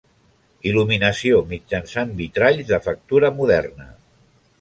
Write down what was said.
Il·luminació mitjançant vitralls de factura moderna.